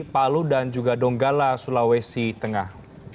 palu dan juga donggala sulawesi tengah